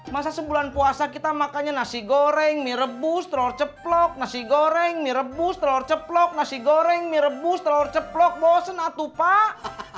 masa sebulan puasa kita makannya nasi goreng mie rebus telur ceplok nasi goreng mie rebus telur ceplok nasi goreng mie rebus telur ceplok bosen atu pak